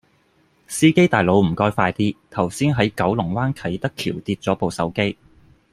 司機大佬唔該快啲，頭先喺九龍灣啟德橋跌左部手機